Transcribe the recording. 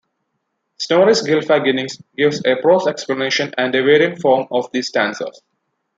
Snorri's "Gylfaginning" gives a prose explanation and a variant form of these stanzas.